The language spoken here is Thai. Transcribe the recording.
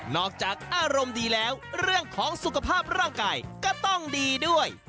จากอารมณ์ดีแล้วเรื่องของสุขภาพร่างกายก็ต้องดีด้วย